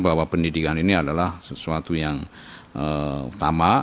bahwa pendidikan ini adalah sesuatu yang utama